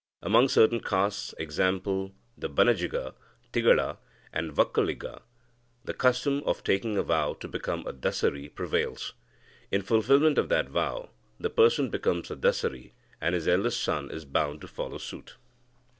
Among certain castes (e.g., Banajiga, Tigala, and Vakkaliga), the custom of taking a vow to become a Dasari prevails. In fulfilment of that vow, the person becomes a Dasari, and his eldest son is bound to follow suit."